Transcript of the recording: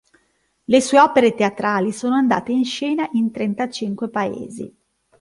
Le sue opere teatrali sono andate in scena in trentacinque paesi.